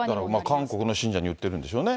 韓国の信者に言ってるんでしょうね。